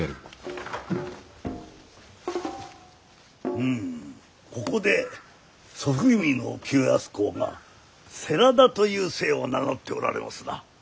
ふむここで祖父君の清康公が世良田という姓を名乗っておられますな。